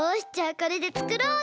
これでつくろうっと。